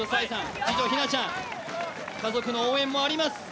次女・緋那ちゃん、家族の応援もあります。